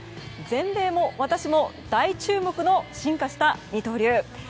全米も私も大注目の進化した二刀流。